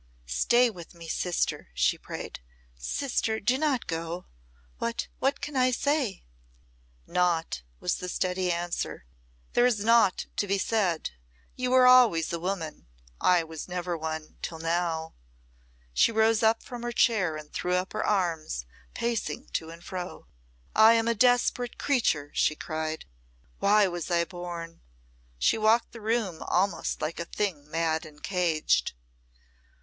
"Stay with me, sister," she prayed. "Sister, do not go! What what can I say?" "Naught," was the steady answer. "There is naught to be said. You were always a woman I was never one till now." She rose up from her chair and threw up her arms, pacing to and fro. "I am a desperate creature," she cried. "Why was I born?" She walked the room almost like a thing mad and caged.